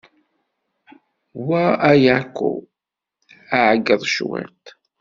Wa Ayako, ɛeggeḍ cwiṭ.